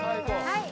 はい。